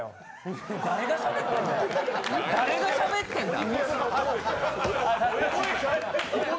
誰がしゃべってんだ？